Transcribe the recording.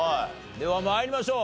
では参りましょう。